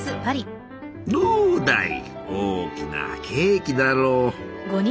どうだい大きなケーキだろう！